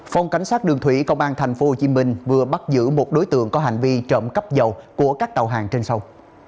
phòng cảnh sát đường thủy công an tp hcm vừa bắt giữ một đối tượng có hành vi trộm cắp dầu của các tàu hàng trên sông